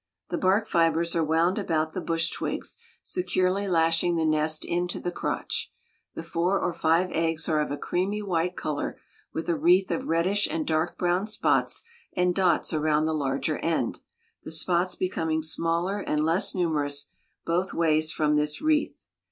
The bark fibers are wound about the bush twigs, securely lashing the nest into the crotch. The four or five eggs are of a creamy white color, with a wreath of reddish and dark brown spots and dots around the larger end, the spots becoming smaller and less numerous both ways from this wreath.